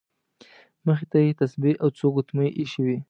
مخې ته یې تسبیح او څو ګوتمۍ ایښې وې.